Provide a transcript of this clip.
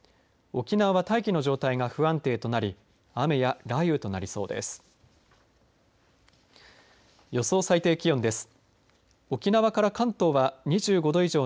沖縄は大気の状態が不安定となり雨や雷雨となりそうです。